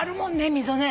溝ね。